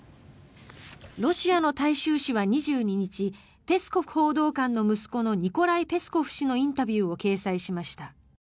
ロシアの大衆紙は２２日ペスコフ報道官の息子のニコライ・ペスコフ氏のインタビューを掲載しました。